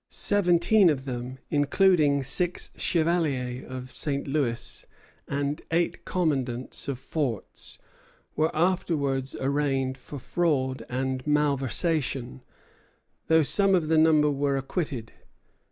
Seventeen of them, including six chevaliers of St. Louis and eight commandants of forts, were afterwards arraigned for fraud and malversation, though some of the number were acquitted.